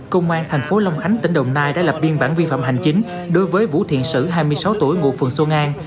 công an tp long khánh tỉnh đồng nai đã lập biên bản vi phạm hành chính đối với vũ thiện sử hai mươi sáu tuổi ngụ phường xuân an